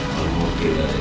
kalau murti gak ada